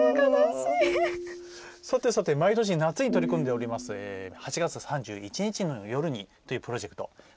毎年、夏に取り組んでおります「＃８月３１日の夜に。」というプロジェクト。